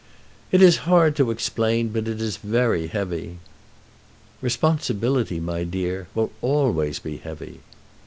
"It is hard to explain, but it is very heavy." "Responsibility, my dear, will always be heavy."